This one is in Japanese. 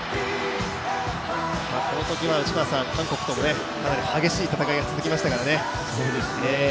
このときは内川さん、韓国との激しい戦いが続きましたからね。